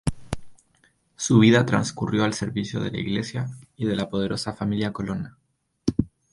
Su vida transcurrió al servicio de la Iglesia y de la poderosa familia Colonna.